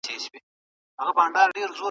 آیا ته د خپل ژوند په اړه فکر کوې.